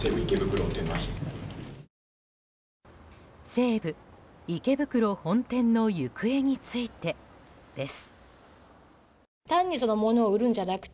西武池袋本店の行方についてです。